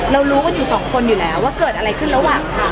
รู้กันอยู่สองคนอยู่แล้วว่าเกิดอะไรขึ้นระหว่างทาง